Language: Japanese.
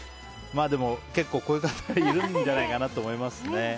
でも結構、こういう方いるんじゃないかと思いますね。